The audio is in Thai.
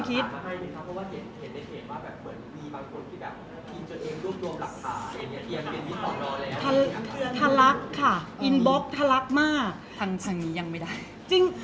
เพราะว่าสิ่งเหล่านี้มันเป็นสิ่งที่ไม่มีพยาน